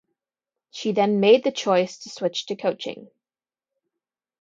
She then made the choice to switch to coaching.